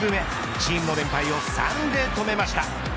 チームの連敗を３で止めました。